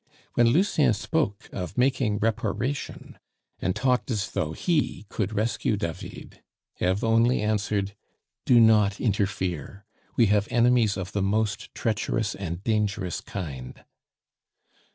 When Lucien spoke of making reparation, and talked as though he could rescue David, Eve only answered: "Do not interfere; we have enemies of the most treacherous and dangerous kind."